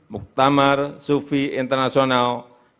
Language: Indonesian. muktamar sufi internasional